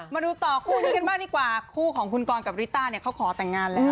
มาดูต่อคู่นี้กันบ้างดีกว่าคู่ของคุณกรกับริต้าเนี่ยเขาขอแต่งงานแล้ว